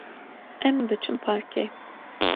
Em diçin parkê.